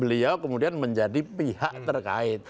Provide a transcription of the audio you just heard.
beliau kemudian menjadi pihak terkait